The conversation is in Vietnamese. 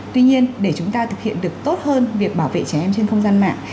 tuy nhiên để chúng ta thực hiện được tốt hơn việc bảo vệ trẻ em trên không gian mạng